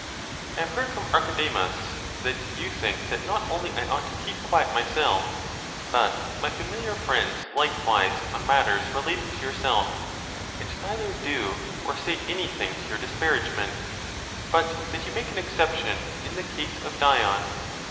I HAVE heard from Archedemus, that you think that not only I ought to keep quiet myself, but my familiar friends like wise, on matters relating to yourself, and neither do or say any thing to your disparagement ; but that you make an exception in the case of Dion.